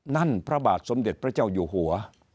พระบาทสมเด็จพระเจ้าอยู่หัว